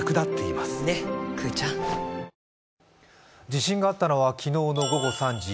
地震があったのは昨日の午後３時。